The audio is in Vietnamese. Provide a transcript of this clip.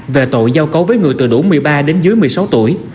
về tội giao cấu với người từ đủ một mươi ba đến dưới một mươi sáu tuổi